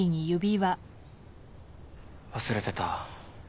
忘れてた。